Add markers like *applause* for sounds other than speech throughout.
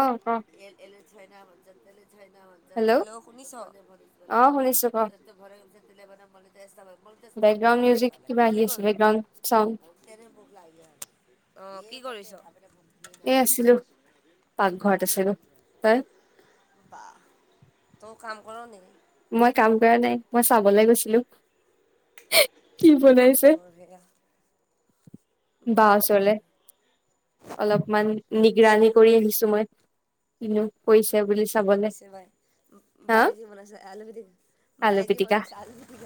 অ অ এ hello hello শুনিছ অ শুনিছো ক বেকগ্ৰাউণ্ড মিউজিক কিবা *unintelligible* আহি কি কৰ আছে বেকগ্ৰাউণ্ড চাউণ্ড অ কি কৰিছ এই আছিলোঁ পাকঘৰত আছিলো হয়। বা তও কাম কৰ নেকি? মই কাম কৰা নাই মই চাবলে গৈছিলো কি ইচ বনাইছে বৰ ভেয়া বা ওচৰলে বঢ়িয়া অলপমান আচ্ছা নিগৰানী কৰি আহিছো মই। কিনো কৰিছে বুলি কি চাবলে বনাইছে বাই হা বায়ে কি বনাইছে আলুগুটি বাই কি বনাইছে আলুগুটি ক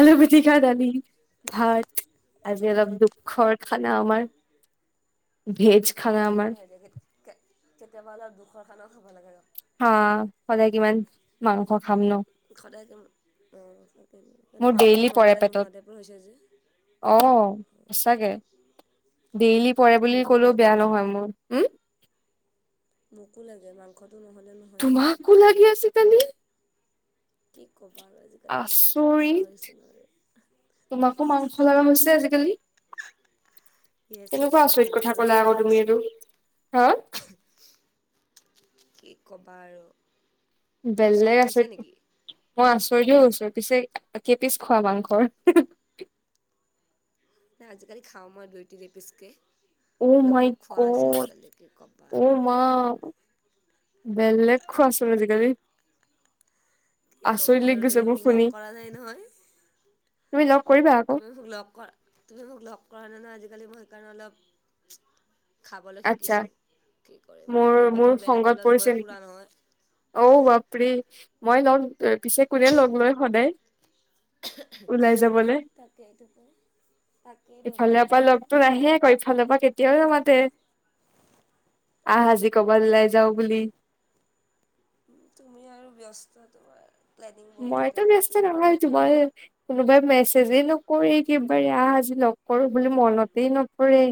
আলুপিতিকাৰ দালি ভাত আজি অলপ দুখৰ খানা আমাৰ। ভেজ খানা একো আমাৰ নহয় দে হিত কে কেতিয়াবা অলপ দুখৰ খানাও খাব লাগে আৰু হা সদায় কিমান মাংস খাম নো অ তাকে সিহঁতে মাংসটো নহ'লে পেটত নোহোৱা টাইপৰ হৈছে যে অ সঁচাকে ডেইলি পৰে বুলি মোকো ক'লেও লাগে বেয়া নহয় মোৰ। উমও মোকো লাগে মাংসটো নহ'লে নহয় টাইপ হয় তোমাকো লাগি আছে কি ক'বা আৰু আজি-কালি মই অলপ খোৱা চোৱা আচৰিত হৈছো নৰে তোমাকো মাংস লগা হৈছে আজিকালি য়েছ য়েছ কেনেকোৱা আচৰিত আজিকালি মই কথা অলপ কলা খোৱা আকৌ তুমি হৈছোঁ এইটো হা কি ক'বা আৰু তুমি চখ বেলেগ খাইছা আচৰিত নেকি মই আচৰিত হৈ গৈছোঐ পিছে কেই পিচ খোৱা মাংসৰ নাই আজি কালি খাও মই দুই তিনি পিচকে অ মাই গড কি ক'বা উ আৰু মা বেলেগ খোৱাচোন আজি কালি কি ক'বা আৰু গৈছে তুমি মোৰ মোক শুনি লগ কৰা নাই নহয় তুমি লগ কৰিবা আকৌ তুমি মোক লগ কৰ তুমি মোক লগ কৰা নে নহয় আজিকালি মই সেইকাৰণে অলপ খাবলৈ আচ্ছা শিকিছো কি কৰিম মোৰ আৰু নহবা মোৰ তুমি বেলেগৰ লগত গৈ ফুৰা নহয় অঔ বাপৰি মই লগ পিছে কোনে লগ লয় সদায় ওলাই যাবলে তাকেই দবাই তাকেই দবাই তো আহে আকৌ ইফালৰ পৰা কেতিয়াও নামাতে আহ আজি কৰবাত ওলাই যাও বুলি তুমি আৰু ব্যস্ত তোমাৰ প্লেনিং বহুত থাকে মইতো ন ব্যস্ত নহয় তোমাৰে কোনোবাই মেছেজেই নকৰি একেবাৰে আহ আজি লগ কৰো বুলি মনতেই নপৰে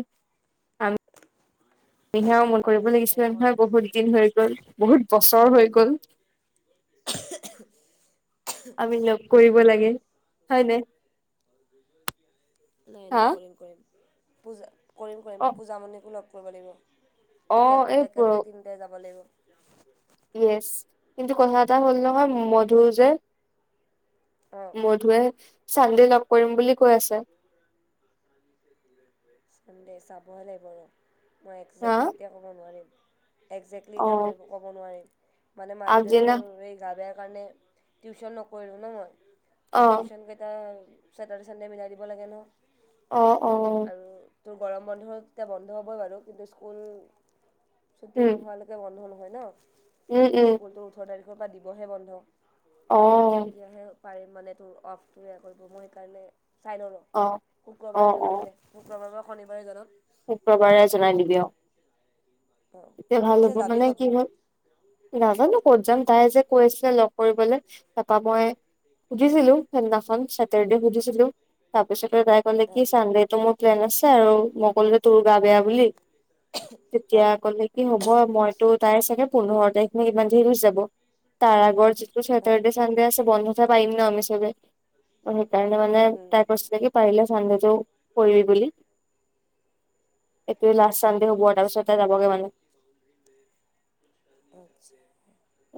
মেহেয়াও মন কৰিব নাই নাই লাগিছিলে পৰে নহয় বহুত দিন হৈ গ'ল বহুত বছৰ হৈ গ'ল আমি লগ কৰিব নাই লাগে নাই হয় নে নাই হা নাই কৰিম কৰিম পূজা কৰিম কৰিম অ পূজামণিকো লগ কৰিব লাগিব অ একেল এই একেলগতে তিনিটাই যাব লাগিব য়েচ কিন্তু কথা এটা হ'ল নহয় মধু যে অঁ মধুৱে চান্দে লগ কৰিম বুলি কৈ আছে চানডে চাবহে লাগিব ৰ মই হা একজেক্টলি এতিয়া ক'ব নোৱাৰিম একজেক্টলি অ এতিয়া কৰিব ক'ব নোৱাৰিম মানে মাজতে আগদিনা তোৰ এই গা বেয়া সেইকাৰণে টিউশচ্যন নকৰিলো ন মই ত' অ টিউশচ্যনকেইটা ছেটাৰ্ডে চানডে মিলাই দিব লাগে ন অ অ আৰু তোৰ গৰম বন্ধ তেতিয়া বন্ধ হ'ব বাৰু কিন্তু স্কুল ছুটি উম, নোহোৱালে কে বন্ধ নহয় উম, ন উম, স্কুলটো ওঠৰ তাৰিখৰ পৰা দিবহে বন্ধ অ', তেতিয়াহে পাৰিম মানে তোৰ অফটো এয়া কৰিব মই সেইকাৰণে চাই নলও অ', অ', শুক্ৰবাৰে জনাম অ', দে শুক্ৰবাৰ বা শনিবাৰে জনাম শুক্ৰবাৰে জনাই দিবি অ অঁ এতিয়া ভাল পিছে হ'ব যাবি মানে কি ক'তনো হল নাজানো ক'ত যাম তাই যে কৈ আছিলে লগ কৰিবলে তাপা মই সুধিছিলো সেইদিনাখন চেটাৰডে সুধিছিলো তাৰপিছতে তাই কলে কি অঁ চানডেটো মোৰ প্লেন আছে আৰু মই কলো যে তোৰ গা বেয়া বুলি অ তেতিয়া কলে কি হ'ব মইতো তাই চাগে পোন্ধৰ তাৰিখ মানে ইমান দেৰি হৈ যাব তাৰ আাগৰ যিটো চেটাৰ্ডে চানডে আছে বন্ধতহে পাইম ন আমি চবে অ সেইকাৰণে মানে অঁ তাই কৈছিলে কি পাৰিলে চানডেটো কৰি বুলি এইটোৱে লষ্ট চানদে হব আচ্ছা তাৰপাছত তাই জাবগে মানে। *unintelligible*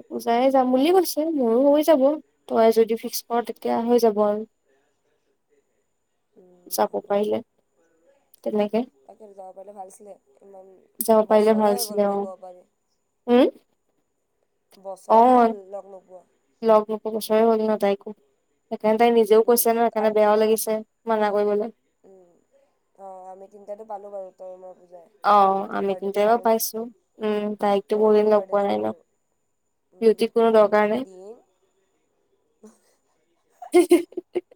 পূজাই যাম বুলি কৈছে ময়ো হৈ যাব। তই যদি ফিক্স কৰ তেতিয়া হৈ যাব আৰু *unintelligible* যাব হ'ব দে পাৰিলে। তেনেকে তাকে যাব পাৰিলে ভাল আছিলে, ইমান যাব পাৰিলে বছৰে ভাল হৈ আছিলে গ'ল অ বুলি ক'ব পাৰি। উম। অ বছৰে হ'ল লগ নোপোৱা। লগ নোপোৱা বছৰে হ'ল ন তাইক সেইকাৰণে উম, তাই নিজেও কৈছে উম, ন সেইকাৰণে বেয়াও লাগিছে। মানা কৰিবলে। অঁ। অঁ আমি তিনিটাটো পালোঁ বাৰু তই মই পূজাই। অ তোৰ আমি বাৰ্থডে'তে তিনটাই বা পালোঁ ন পাইছো উম তাইকটো অঁ বহু তোৰ দিন পোৱা বাৰ্থডে'তে নাই ন। পালোঁ বিউটিক কোনো দৰকাৰ নাই *unintelligible* *unintelligible*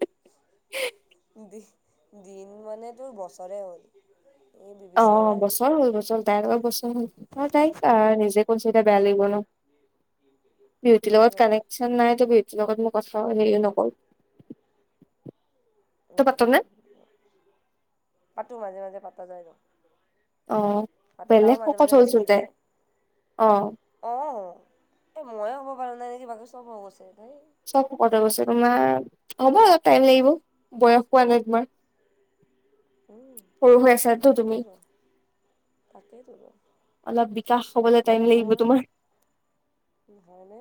দিন মানে তোৰ বছৰে হ'ল। এই বি বি অ, চি এৰাই বছৰ হ'ল বছৰ হল তাইৰ লগত বছৰ হল অ তাইক নিজে কৈছে এতিয়া বেয়া লাগিব ন। বিউটি লগত সেইটোৱেতো কানেক্ট নাইটো বিউতিৰ লগত মই কথা হেৰিও নকৰো। উ পাতো মাজে-মাজে পাতা যায় ন। অ পাতে তাইও বেলেগ মাজে- শকত মাজে মেছেজ হ'লচোন তাই দিয়ে। অ অঁ, এই ময়ে ভয় কৰা নাই নেকি বাকী চব ভয় কৰিছে। চব শকত হৈ গৈছে তোমাৰ, হ'ব অলপ টাইম লাগিব বয়স হোৱা নাই তোমাৰ। *unintelligible* সৰু হৈ আছাটো তুমি তাকেইতো তাকেইতো অলপ বিকাশ হ'বলৈ টাইম মানে লাগিব মোৰ তোমাৰ। হয়নে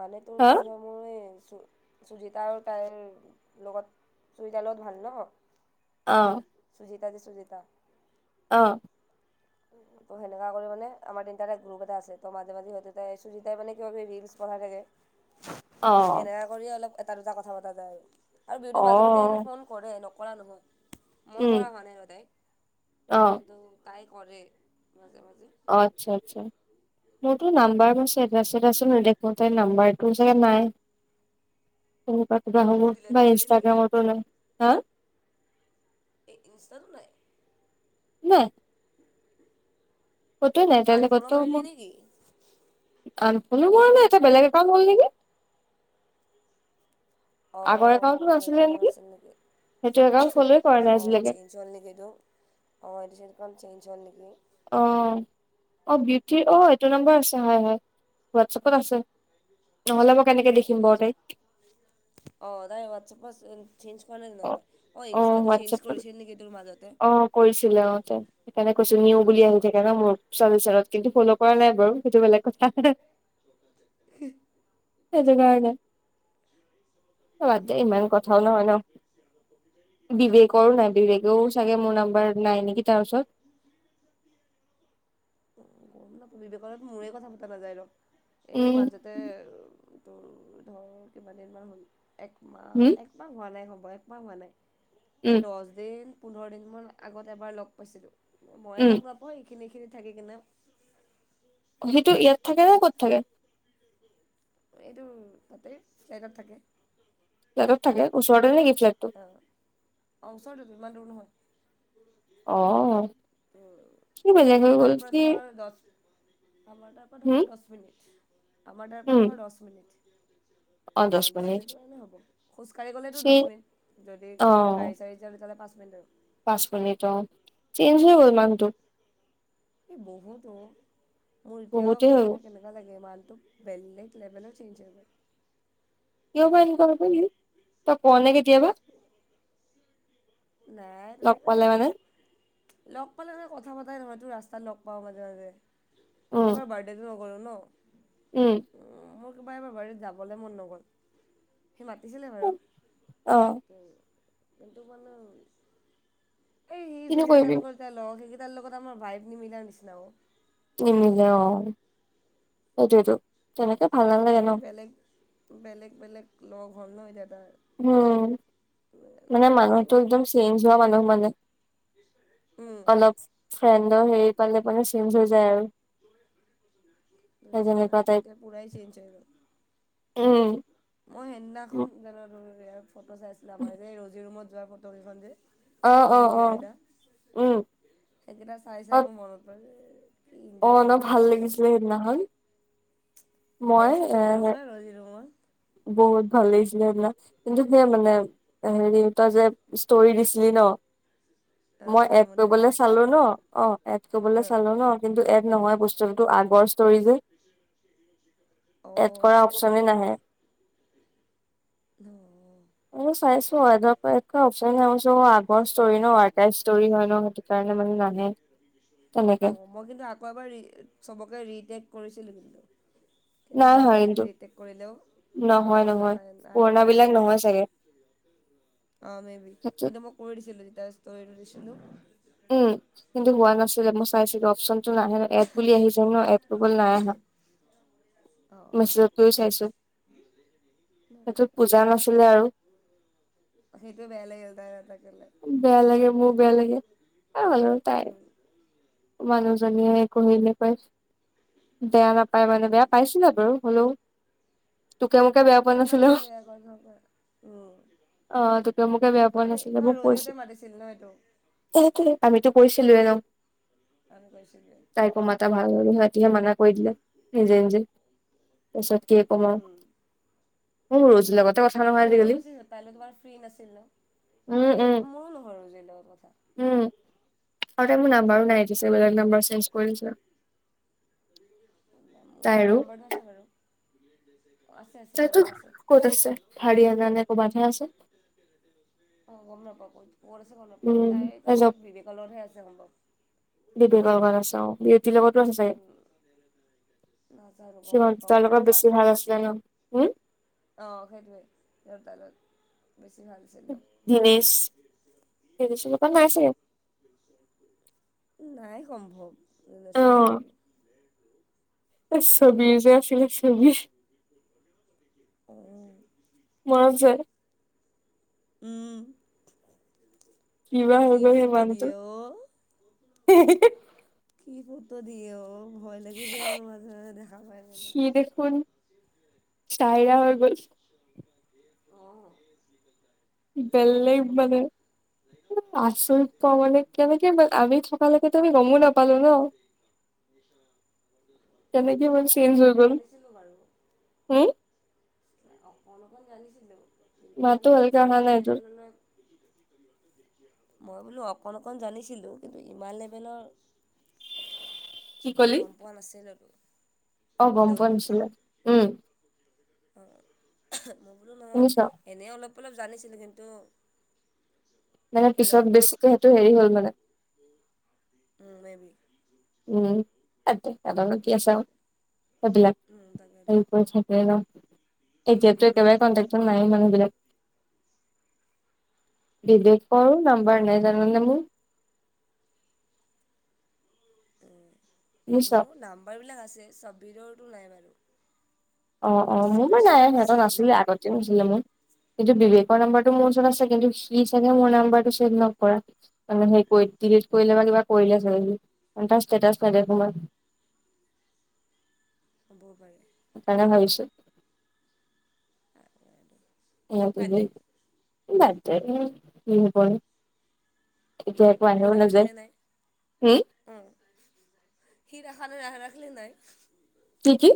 মানে তোৰ হা কি হব মই এই সুজিতা আৰু তাইৰ লগত তুমি তাৰ লগত ভাল ন। অহ। সুজিতা যে সুজিতা অঁ। ত সেনেকা কৰি মানে আমাৰ তিনটা এটা গ্ৰুপ এটা আছে, মাজে-মাজে সিহঁতে তাই সুজিতাই মানে কিবা কিবি ৰিলচ পঠাই থাকে। অ সেনেকা কৰিয়ে অলপ এটা দুটা কথা পতা যায়, আৰু আৰু বিউটি অ মাজে মাজে এনে ফোন কৰে নকৰা নহয়, মই উম কৰা হোৱা নাই আৰু তাইক অ কিন্তু তাই কৰে মাজে-মাজে। অ আচ্ছা-আচ্ছা মোৰটো নাম্বাৰ ষ্টেটাচত নেদেখো তাইৰ নাম্বাৰটো চাগে নাই। তেনেকুৱা কিবা হব তই ডিলেট বা কৰিলি নেকি ইনষ্টাগ্ৰামতো নাই হা এই ইনষ্টাটো নাই? *unintelligible* ক'তোৱে নাই তেওঁ লগত আনফল' টো মাৰিলি মোৰ নেকি আনফল' মৰা নাই তাই বেলেগ একাউণ্ট হল নেকি! *unintelligible* আগৰ একাউণ্টটো ছোৱাল নাছিলে নেকি সেইটো একাউণ্ট ফ'ল'ৱে কৰা নাই আজিলৈকে নেকি এইটো অ এইটো চেঞ্জকন চেঞ্চ হ'ল নেকি? অ অ বিউটিৰ অ এইটো নাম্বৰ আছে হয় হয় হোৱাটছাপত আছে। নহ'লে মই কেনেকে দেখিম বাও তাইক। অ তাৰ ৱাটছাপছ এইন চেঞ্জ কৰা নাই অ নম্বাৰ অ ইনষ্টাটো চেঞ্জ কৰিছিল নেকি তোৰ মাজতে। অ কৰিছিলে অ তাই সেইকাৰণে কৈছো নিউ বুলি অঁ আহি থাকে মাজত ন মোৰ। চাবিচনত কিন্তু ফলো কৰা নাই বাৰু সেইটো বেলেগ কথা। সেইটো কাৰণে বাদ দে ইমান কথাও নহয় ৰঙালী ন। বিবেকৰো নাই এইটোৱেতো বিবেকেও চাগে মোৰ নাম্বাৰ নাই নেকি তাৰ ওচৰত। গম নাপাওঁ বিবেকৰ লগত মোৰে কথা পতা নাযায় ৰ এই উম মাজত তে তোৰ ধৰ কিমান দিনমান হ'ল হম একমাহ এক ইমান হোৱা নাই হ'বা একমাহ হোৱা নাই, এই উম দছদিন পোন্ধৰ দিনমান আগত এবাৰ লগ পাইছিলোঁ। ময়ে উম লগ নাপাওঁ এইখিনিখিনি থাকি কিনে। সেইটো ইয়াত থাকে ন ক'ত থাকে? এইটো তাতে ফ্লেটত থাকে। ফ্লেটত থাকে ওচৰতে নেকি ফ্লেটটো? অ অ ওচৰতেটো ইমান দূৰ নহয়। অ। উ কি বেলেগ আমাৰ হৈ তা গ'ল পৰা কি ধৰ দছ আমাৰ তাৰ পৰা হম ধৰ দছ মিনিট, আমাৰ তাৰ পৰা উম ধৰ দছ মিনিট। অ দহ দছ মিনিট মিনিটৰ কাৰণে হ'ব। খোজকাঢ়ি গ'লেতো চি দছ মিনিট যদি অ কিবা গাড়ী চা- সেই তালে তালে পাঁচ মিনিট আৰু। পাঁচ মিনিট অ চেঞ্জ হৈ গ'ল মানুহটো। এই বহুতো অ মোৰ এতিয়াও বহুতেই হৈ গ'ল মানে কেনেক- না লাগে মানুহটোক বেলেগ লেভেল চেঞ্জ হৈ গ'ল। কিয় হয় এনেকুৱা *unintelligible* তই ক নে কেতিয়াবা নাই লগ তেনেকা পালে মানে লগ পালে মানে কথা পাতাই নহয় তোৰ ৰাস্তাত লগ পাও মাজে মাজে উম এইবাৰ বাৰ্ড- তেটো নগলো ন। উম। মোৰ কিবা এবাৰ বাৰ্থডেত যাবলৈ মন নগ'ল। সি মাতিছিলে বাৰু অ *unintelligible* কিন্তু মানে এই সি কিনো যোন কেইটাৰ কৰিবি লগত যাই লগ সেইকেইটাৰ লগত আমাৰ ভাইফ নিমিলা নিচিনা অ। নিনিলে অ সেইটোৱেটো তেনেকে ভাল নালাগে ন এই বেলেগ বেলেগ বেলেগ লগ হ'ল ন এতিয়া তাৰ উম মানে মানুহতটো একদম চেঞ্জ হোৱা মানুহ মানে। উম, অলপ ফ্ৰেণ্ডৰ হেৰি পালে মানে চেঞ্জ হৈ যায় আৰু। সেই যেনেকুৱা মানুহটো টাইপ এতিয়া পূৰাই চেঞ্জ হৈ গ'ল। উম। মই সেইদিনাখন *unintelligible* ফটো চাইছিলে আমাৰ যে ৰজি ৰুমত যোৱা ফটো কেইখন যে অ ফটো অ অ ভিডিঅ' কেইটা উম সেইকেইটা চাই অ চাই মোৰ মনত পৰে। কি অ ইনজয় ন ভাল কৰিছিলোঁ আমি লাগিছিলে সেইদিনাখন মই বেছ আছে এ কিন্তু নহয় ৰজি ৰোমত। বহুত ভাল লাগিছিলে সেইদিনা কিন্তু সেইয়া মানে হেৰি তই যে ষ্টৰি দিছিলি ন অঁ মই এড পূজামণি বেয়া কৰিবলে পাইছে চালো ন অঁ এড কৰিবলৈ অঁ চালো ন কিন্তু এক নহয় বস্তুতো আগৰ ষ্টৰি যে। *unintelligible* এড কৰা আচ্ছা অপশচনে নাহে। ন। এনেই চাইছো অঁ অপশন আহ চ আগৰ ষ্টৰি ন অটাইষ্টৰি হয় ন। সেই কাৰণে মানে নানে তেনেকে। অঁ মই কিন্তু আকৌ এবাৰ ৰি চবকে ৰিটেক কৰিছিলোঁ কিন্তু। কিন্তু নাই হয় নহয় নেকি কিন্তু ৰিটেক কৰিলেও অঁ নহয় নাহিল পুৰণা বিলাক নহয় চাগে সম্ভৱ। অঁ মে বি সেইটো কিন্তু মই কৰি দিছিলো যেতিয়া ষ্টৰিটো দিছিলো। উম কিন্তু হোৱা নাছিলে মই চাইছিলো অপশচনটো নাহে এড বুলি আহিছে ন এড কৰিবলে নাই অহা। *unintelligible* অঁ মেছেজত গৈও চাইছোঁ সেইটোত পূজা নাছিলে আৰু। সেইটোৱে বেয়া লাগিল তাই নাথাকিলে। বেয়া লাগে মোৰ বেয়া লাগে এ হ'লেও তাই মানুহজনীয়ে কহি নেপাই বেয়া নাপায় মানে বেয়া সেইটোৱেতো পাইছিলে বাৰু হ'লও তোকে মোকে বেয়া পোৱা ইমান নাছিলেও। তাই এয়া কৰি থকা উম অঁ তোকে মোকে বেয়া পোৱা নাছিলে কাৰণ মোক কৈছে। ৰজিহঁতে মাতিছিল ন এইটো সেইটোৱে আমিতো কৈছিলো এ ন। আমি কৈছিলোৱে। তাই কো মাতা ভাল হল হয় তিতিয়া মানা কৰি দিলে নিজে নিজেই। তাৰপিছত কি কমা উম মোৰ ৰৌজিলে পতাপত- সিহঁতেও বেছি পাইলো তোমাৰ ফ্ৰী নাছিল উম, উম, ন মোৰো নহৰু যেলৰ কথা। উম আৰু তাই মোৰ নাম্বাৰো নাইজ পিছে বেলেগ বি নাম্বাৰ চেঞ্জ কৰি দিছা মোৰ তাই লগত আৰু। নাম্বাৰটো বাৰু আছে আছে তাইতো মনত আছে। ক'ত আছে হাৰিয়ানা নে কবাতহে আছে। অঁ গম নাপাও কত ক'ত আছে গম নাপাও উম তাই কাৰণে জব বিবেকৰ লগতহে আছে সম্ভৱ। বিবেকৰ ঘৰত আছে অঁ বিউটিৰ লগতো আছে চাগে। নাজানো গম চিবানচ নাপাওঁ মই তাৰলগত তেনেকুৱা বেছি ভাল আছিলে ন হুম। অঁ সেইটোৱেই তোৰ তাল লগত বেছি ভাল আছিলে। ধিনেশ ধিনেশৰ লগত নাই ছাগে। নাই সম্ভৱ ধিনেচৰ লগত। এই চবি যে আছিলে চবি। অঁও। মাজে। উম। কিবা হৈ কি গ'ল সেই ফটো মানুহটো দিয়ে অও। কি ফোটো দিয়ে অ ভয় লাগি যায় মোৰ মাজে মাজে দেখা পায় পিনে ই দেখোন চায়েৰা হৈ গ'ল। অঁহ। বেলেগ মানে আচৰিত পাওঁ মানে কেনেকে মানে আমি থা তালকেতো আমি গমো নাপালো ন। কেনেকে ইমান মই চেঞ্জ অলপ হৈ অলপ গল, জানিছিলোঁ বাৰু হুম'। অকণ অকণ জানিছিলোঁ কিন্তু মাতটো মানে ভালকে অহা ইমান নাই তোৰ লেভেললৈ মই বোলো অকণ অকণ জানিছিলো কিন্তু ইমান লেভেলৰ উ *unintelligible* কি ক'লি পোৱা নাছিলোটো অ গম পোৱা নাছিলে উম অ মই বোলো নহয় শুনিছ এনেই অলপ অলপ জানিছিলোঁ কিন্তু মানে পিছত বেছিকে সেইটো হেৰি হ'ল মানে উম মে বি উম তাকে এডাল কি আছে আৰু সেইবিলাক তাকেতো হেৰি কৰি থাকে ন এতিয়াতো একেবাৰে কণ্টেক্ট নাই মানুহবিলাক বিবেকৰ নাম্বাৰ নাই জানা নে মোৰ উ বুজিছ মোৰ নাম্বাৰ বিলাক আছে ছব্বিৰৰটো নাই বাৰু অ তো অ আছে মোৰ মান নাই কিছুমানৰ আছে সিহঁতৰ বাৰু নাছিল আগতে হৈছিলে মোৰ কিন্তু বিবেকৰ নাম্বাৰটো মোৰ ওচৰত আছে কিন্তু সি চাগে মোৰ নাম্বাৰটো ছেভ নকৰা ডিলিট কৰিলে বা কিবা কৰিলে চাগে সি তাৰ ষ্টেটাচ নেদেখোঁ হ'বও পাৰে সেইকাৰণে ভাবিছোঁ অ *inaudible* অ ব উ *inaudible* এতিয়া একো আহেও নাযায় হো অ সি দেখা না ৰাখিল নাই কি কি